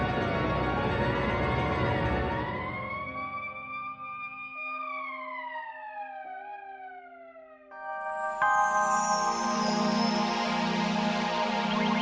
dia hugging me